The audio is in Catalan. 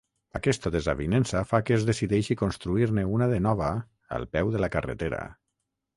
Aquesta desavinença fa que es decideixi construir-ne una de nova al peu de la carretera.